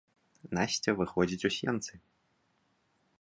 Насця выходзіць у сенцы.